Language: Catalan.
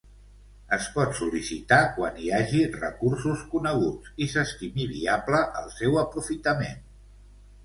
Es pot sol·licitar quan hi hagi recursos coneguts i s'estimi viable el seu aprofitament.